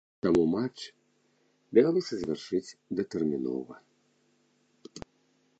Таму матч давялося завяршыць датэрмінова.